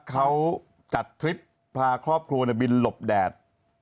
เขาจัดทริปพาครอบครัวบินหลบแดด